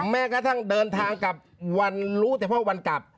แม้กระทั่งเดินทางกลับวันรู้เฉพาะวันกลับ